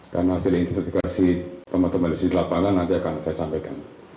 dan hasil intensifikasi teman teman di sisi lapangan nanti akan saya sampaikan